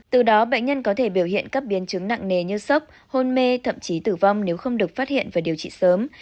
từ đó bệnh nhân có thể biểu hiện các biến chứng nặng nề như sốc hôn mê thậm chí tử vong nếu không được phát hiện và điều trị sớm